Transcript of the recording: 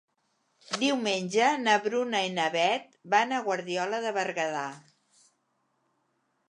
Diumenge na Bruna i na Beth van a Guardiola de Berguedà.